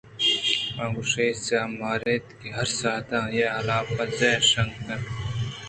آ گوٛشئے سیاہ مارے اَت ءُ ہرساعت آئی ءِ حلاپ ءَ زہرے شا نتگ اَت